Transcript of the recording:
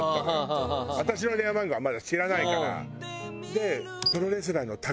私の電話番号はまだ知らないから。